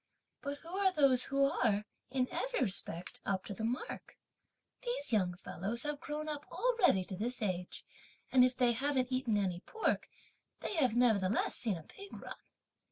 but who are those who are, in every respect, up to the mark? These young fellows have grown up already to this age, and if they haven't eaten any pork, they have nevertheless seen a pig run.